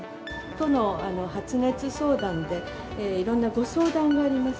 都の発熱相談で、いろんなご相談があります。